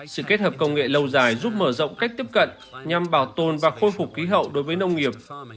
sự kết hợp công nghệ lâu dài giúp mở rộng cách tiếp cận nhằm bảo tồn và khôi phục khí hậu đối với nông nghiệp